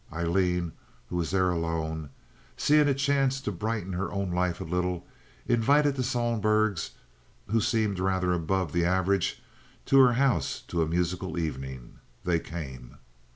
Aileen, who was there alone, seeing a chance to brighten her own life a little, invited the Sohlbergs, who seemed rather above the average, to her house to a musical evening. They came.